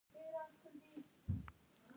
ځمکنی شکل د افغانستان د اقتصاد برخه ده.